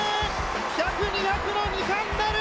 １００、２００の２冠なる！